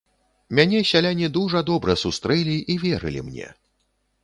Мяне сяляне дужа добра сустрэлі і верылі мне.